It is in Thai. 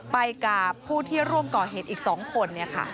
ไปกับผู้ที่ร่วมก่อเหตุอีก๒คน